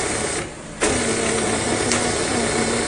ومې ويل هغه زما استاد و.